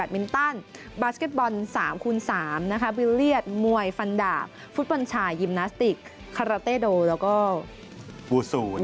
วูซูค่ะวูซู